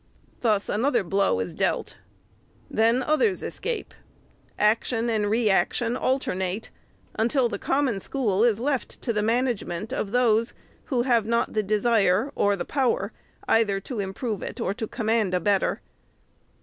Thus another blow is dealt ; then others escape ; action and re action alternate, until the Common School is left to the management of those, who have not the desire or the power, either to im prove it or to command a better.